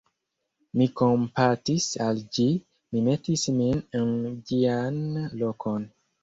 mi kompatis al ĝi, mi metis min en ĝian lokon.